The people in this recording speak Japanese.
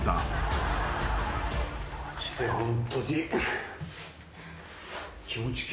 マジでホントに。